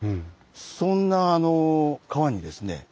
そんな川にですね